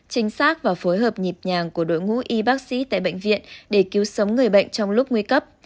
trinh sát và phối hợp nhịp nhàng của đội ngũ y bác sĩ tại bệnh viện để cứu sống người bệnh trong lúc nguy cấp